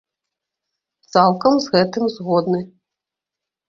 Цалкам з гэтым згодны.